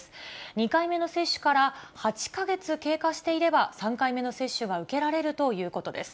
２回目の接種から８か月経過していれば、３回目の接種が受けられるということです。